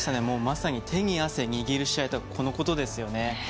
まさに手に汗握る試合とはこのことですよね。